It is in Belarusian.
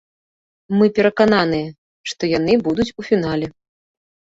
Мы перакананыя, што яны будуць у фінале.